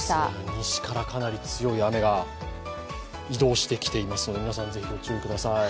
西からかなり強い雨が移動してきていますので、皆さん、ぜひご注意ください。